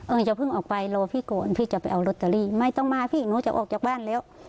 อย่าเพิ่งออกไปรอพี่ก่อนพี่จะไปเอาลอตเตอรี่ไม่ต้องมาพี่หนูจะออกจากบ้านแล้ว